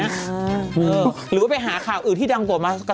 หรือว่าไปหาข่าวอื่นที่ดังกว่ามา